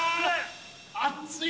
熱い！